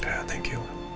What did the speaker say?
ya terima kasih